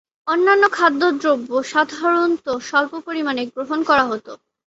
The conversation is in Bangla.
অন্যান্য খাদ্যদ্রব্য সাধারণত স্বল্প পরিমাণে গ্রহণ করা হত।